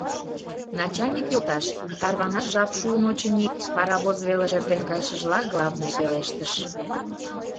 — Начальник йолташ, тарванаш жап шуын, очыни! — паровоз велыш эртен кайышыжла главный пелештыш.